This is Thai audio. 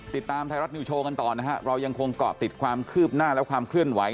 ติดตามไทยรัฐนิวโชว์กันต่อนะฮะเรายังคงเกาะติดความคืบหน้าและความเคลื่อนไหว